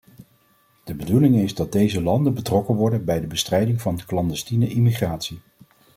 De bedoeling is dat deze landen betrokken worden bij de bestrijding van clandestiene immigratie.